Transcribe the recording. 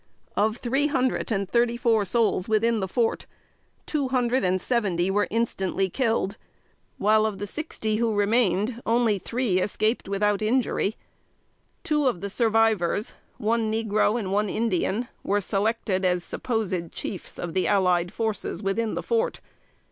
Of three hundred and thirty four souls within the fort, two hundred and seventy were instantly killed; while of the sixty who remained, only three escaped without injury. Two of the survivors one negro and one Indian were selected as supposed chiefs of the allied forces within the fort.